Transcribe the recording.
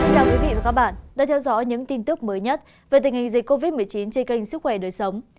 chào quý vị và các bạn đã theo dõi những tin tức mới nhất về tình hình dịch covid một mươi chín trên kênh sức khỏe đời sống